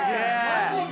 マジか。